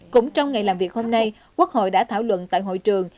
cũng trong ngày làm việc hôm nay quốc hội đã thảo luận tại hội trường